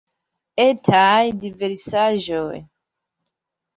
Etaj diversaĵoj.